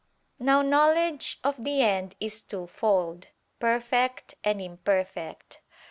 Now knowledge of the end is twofold: perfect and imperfect.